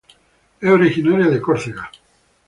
Es originaria de Córcega.